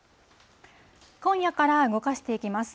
今夜から動かしていきます。